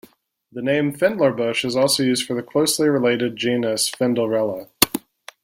The name fendlerbush is also used for the closely related genus "Fendlerella".